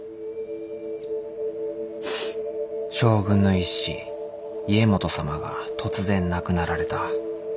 将軍の一子家基様が突然亡くなられた。